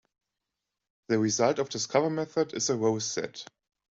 The result of Discover method is a rowset.